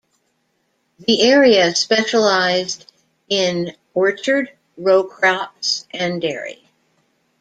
The area specialized in orchard, row crops and dairy.